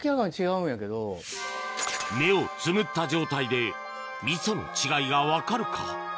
目をつむった状態で味噌の違いが分かるか？